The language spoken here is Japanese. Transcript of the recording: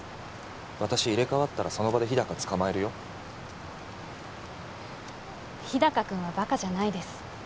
私入れ替わったらその場で日高捕まえるよ日高君はバカじゃないです